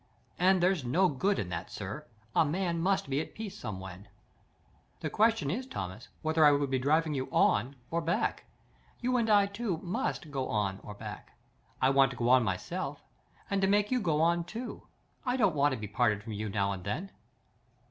And there's no good in that, sir. A man must be at peace somewhen." "The question is, Thomas, whether I would be driving you ON or BACK. You and I too MUST go on or back. I want to go on myself, and to make you go on too. I don't want to be parted from you now or then."